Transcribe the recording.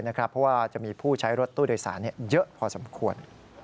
เพราะว่าจะมีผู้ใช้รถตู้โดยสารเยอะพอสมควร